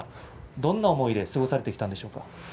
どんな思いで過ごされてきたんでしょうか。